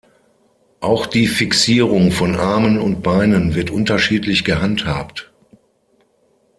Auch die Fixierung von Armen und Beinen wird unterschiedlich gehandhabt.